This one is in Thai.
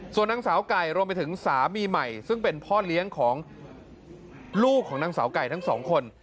ส่วนนางสาวไก่รวมไปถึงสามีใหม่ซึ่งเป็นพ่อเลี้ยงของลูกของนางสาวไก่ทั้งสองคน